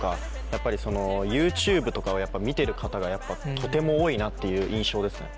やっぱりＹｏｕＴｕｂｅとかを見てる方がとても多いなっていう印象ですね。